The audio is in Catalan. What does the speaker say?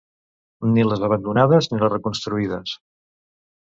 Ni les abandonades ni les reconstruïdes.